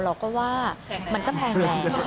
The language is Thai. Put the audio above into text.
เราก็ว่ามันก็แพงแล้ว